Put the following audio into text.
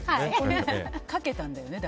かけたんだよね。